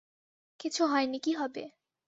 কিছু হয় নি, কী হবে?